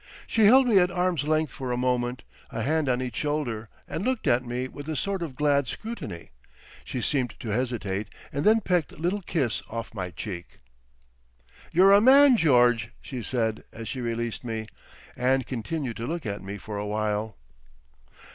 She held me at arm's length for a moment, a hand on each shoulder, and looked at me with a sort of glad scrutiny. She seemed to hesitate, and then pecked little kiss off my cheek. "You're a man, George," she said, as she released me, and continued to look at me for a while.